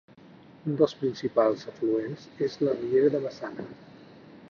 Un dels seus principals afluents és la riera de Maçana.